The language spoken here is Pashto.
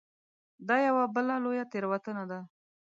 دا یوه بله لویه تېروتنه ده.